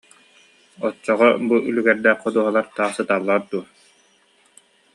Оччоҕо бу үлүгэрдээх ходуһалар таах сыталлар дуо